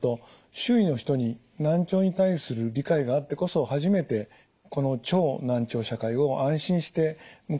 周囲の人に難聴に対する理解があってこそ初めてこの超難聴社会を安心して迎えられるのではないかと思います。